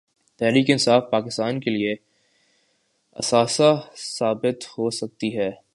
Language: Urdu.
تحریک انصاف پاکستان کے لیے اثاثہ ثابت ہو سکتی ہے۔